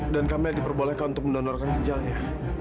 dan kamila diperbolehkan untuk mendonorkan ginjalnya